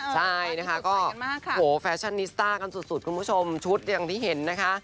ใช่นะคะก็โหแฟชั่นนิสต้ากันสุดคุณผู้ชมชุดอย่างที่เห็นนะคะ